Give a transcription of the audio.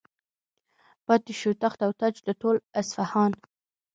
پاتې شو تخت و تاج د ټول اصفهان.